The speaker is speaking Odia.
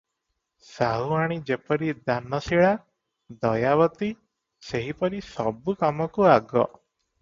ସାହୁଆଣୀ ଯେପରି ଦାନଶୀଳା, ଦୟାବତୀ - ସେହିପରି ସବୁ କାମକୁ ଆଗ ।